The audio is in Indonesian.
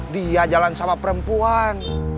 dia jalan sama perempuan